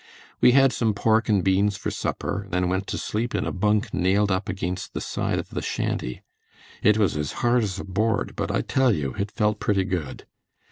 We had some pork and beans for supper, then went to sleep in a bunk nailed up against the side of the shanty. It was as hard as a board, but I tell you it felt pretty good.